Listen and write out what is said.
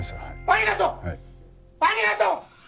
ありがとう！ありがとう！